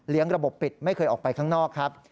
ระบบปิดไม่เคยออกไปข้างนอกครับ